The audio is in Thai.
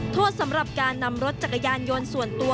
โทษสำหรับการนำรถจักรยานยนต์ส่วนตัว